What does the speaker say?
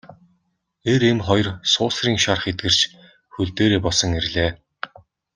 Эр эм хоёр суусрын шарх эдгэрч хөл дээрээ босон ирлээ.